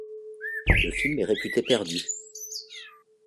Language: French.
Le film est réputé perdu.